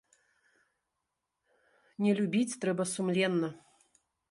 Не любіць трэба сумленна.